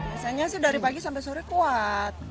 biasanya sih dari pagi sampai sore kuat